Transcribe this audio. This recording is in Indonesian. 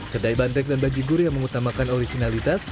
kedai bandrek dan bajigur yang mengutamakan originalitas